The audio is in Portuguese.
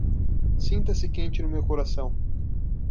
Sinta-se quente no meu coração